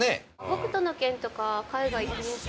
『北斗の拳』とかは海外でも人気。